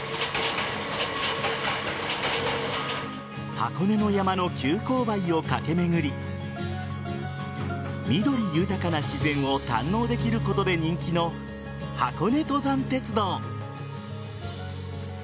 箱根の山の急勾配を駆け巡り緑豊かな自然を堪能できることで人気の箱根登山鉄道。